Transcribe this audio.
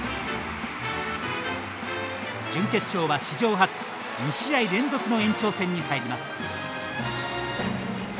準決勝は史上初２試合連続の延長戦に入ります。